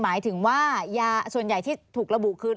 หมายถึงว่ายาส่วนใหญ่ที่ถูกระบุคือ